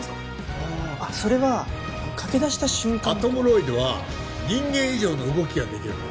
ああそれは駆けだした瞬間とアトムロイドは人間以上の動きができるんだ